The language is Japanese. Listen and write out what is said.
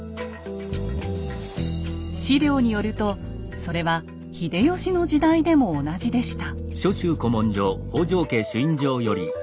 史料によるとそれは秀吉の時代でも同じでした。